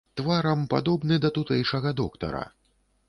Тварам падобны да тутэйшага доктара.